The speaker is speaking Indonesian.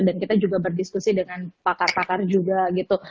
dan kita juga berdiskusi dengan pakar pakar juga gitu